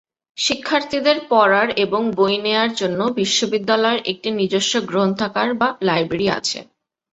শিক্ষার্থীদের পড়ার এবং বই নেয়ার জন্য বিশ্ববিদ্যালয়ের একটি নিজস্ব গ্রন্থাগার বা লাইব্রেরি আছে।